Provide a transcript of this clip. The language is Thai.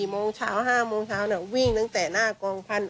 โมงเช้า๕โมงเช้าวิ่งตั้งแต่หน้ากองพันธุ